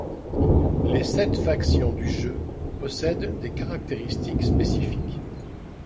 Les sept factions du jeu possèdent des caractéristiques spécifiques.